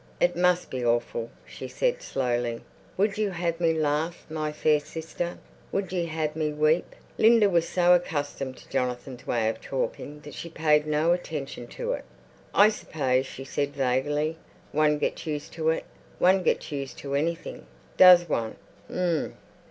"It must be awful," she said slowly. "Would ye have me laugh, my fair sister? Would ye have me weep?" Linda was so accustomed to Jonathan's way of talking that she paid no attention to it. "I suppose," she said vaguely, "one gets used to it. One gets used to anything." "Does one? Hum!"